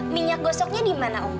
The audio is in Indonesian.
minyak gosoknya di mana om